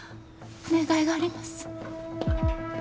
お願いがあります。